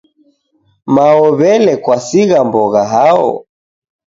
Mao w'ele kwasigha mbogha hao.